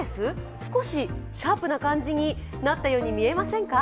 少しシャープな感じになったように見えませんか？